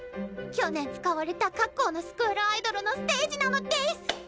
去年使われた各校のスクールアイドルのステージなのデス！